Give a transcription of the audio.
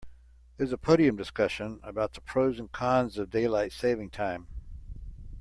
There's a podium discussion about the pros and cons of daylight saving time.